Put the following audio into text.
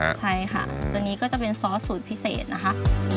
ใช่ค่ะตัวนี้ก็จะเป็นซอสสูตรพิเศษนะคะ